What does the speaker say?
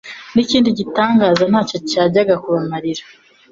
n'ikindi gitangaza ntacyo cyajyaga kubamarira.